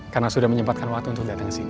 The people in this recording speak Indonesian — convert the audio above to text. karena sudah menyempatkan waktu untuk datang kesini